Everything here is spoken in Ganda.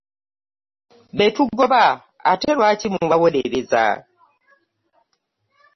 Be tugoba ate lwaki mubawolereza?